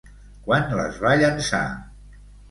Quan les va llençar?